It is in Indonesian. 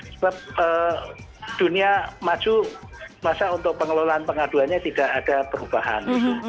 sebab dunia maju masa untuk pengelolaan pengaduannya tidak ada perubahan